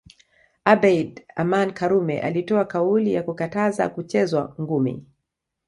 Abeid Aman Karume alitoa kauli ya kukataza kuchezwa ngumi